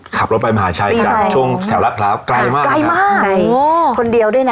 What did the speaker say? ขับรถไปมาหาใช้กับช่วงแถวรักษ์พร้าวใกล้มากใกล้มากโอ้โหคนเดียวด้วยนะ